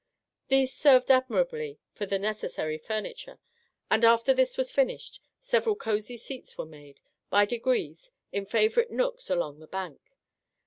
These served admirably for the necessary furniture, and after that was finished several cosy seats were made, by degrees, in favourite nooks along the bank.